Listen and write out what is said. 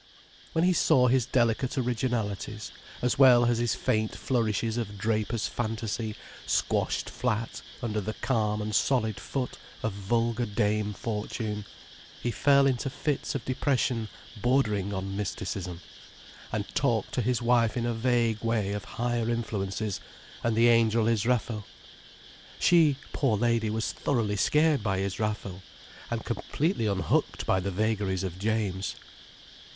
When he saw his delicate originalities, as well as his faint flourishes of draper's fantasy, squashed flat under the calm and solid foot of vulgar Dame Fortune, he fell into fits of depression bordering on mysticism, and talked to his wife in a vague way of higher influences and the angel Israfel. She, poor lady, was thoroughly scared by Israfel, and completely unhooked by the vagaries of James.